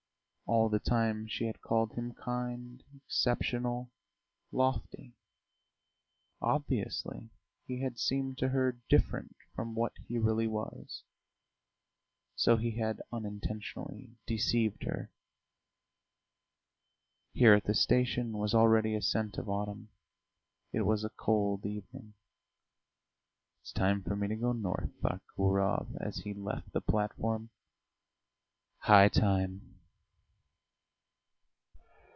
All the time she had called him kind, exceptional, lofty; obviously he had seemed to her different from what he really was, so he had unintentionally deceived her.... Here at the station was already a scent of autumn; it was a cold evening. "It's time for me to go north," thought Gurov as he left the platform. "High time!"